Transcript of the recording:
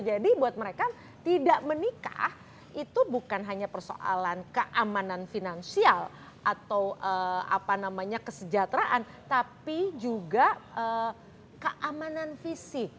jadi buat mereka tidak menikah itu bukan hanya persoalan keamanan finansial atau apa namanya kesejahteraan tapi juga keamanan fisik